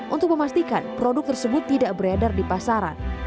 untuk memastikan produk tersebut tidak beredar di pasaran